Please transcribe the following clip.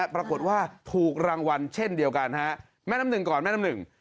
ปรากฏว่าถูกรางวัลเช่นเดียวกันฮะแม่น้ำหนึ่งก่อนแม่น้ำหนึ่ง